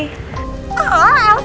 oh elsa anda bangun